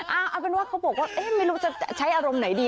เอาเป็นว่าเขาบอกว่าไม่รู้จะใช้อารมณ์ไหนดี